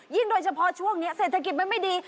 โดยเฉพาะช่วงนี้เศรษฐกิจมันไม่ดี